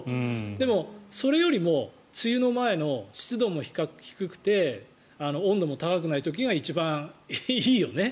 でも、それよりも梅雨の前の湿度も低くて温度も高くない時が一番いいよね。